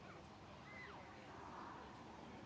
สวัสดีครับทุกคน